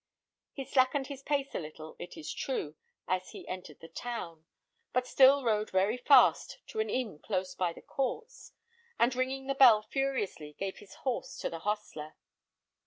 He slackened his pace a little, it is true, as he entered the town, but still rode very fast to an inn close by the courts, and ringing the bell furiously, gave his horse to the hostler.